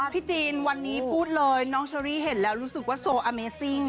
พี่จีนวันนี้พูดเลยน้องเชอรี่เห็นแล้วรู้สึกว่าโซอเมซิ่ง